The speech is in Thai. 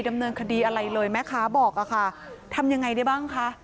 ดำเนินคดีอะไรเลยแม่ค้าบอกอะค่ะทำยังไงได้บ้างคะ